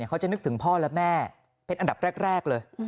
เขาจะนึกถึงพ่อและแม่เป็นอันดับแรกเลย